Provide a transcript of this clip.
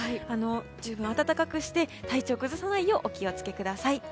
十分、暖かくして体調を崩さないようにお気をつけください。